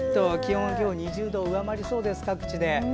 今日は２０度を上回りそうです各地で。